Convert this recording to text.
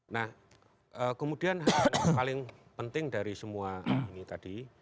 nah kemudian hal yang paling penting dari semua ini tadi